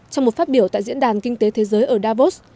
trong một phát biểu tại diễn đàn kinh tế thế giới ở davos